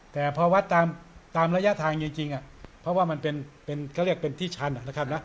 แต่พอวัดตามระยะทางจริงเพราะว่ามันเป็นเขาเรียกเป็นที่ชันนะครับ